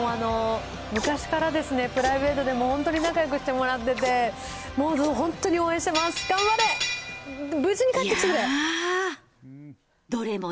昔からですね、プライベートでも本当に仲よくしてもらってて、もう本当に応援してます、頑張れ！